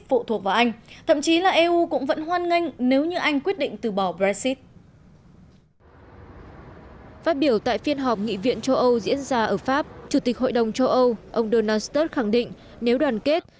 phát biểu tại phiên họp nghị viện châu âu diễn ra ở pháp chủ tịch hội đồng châu âu ông donald sturt khẳng định nếu đoàn kết